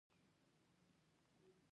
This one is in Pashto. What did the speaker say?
هغه ورڅخه د پوښتنې په دود يوه پوښتنه وکړه.